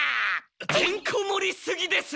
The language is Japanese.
てんこもりすぎです！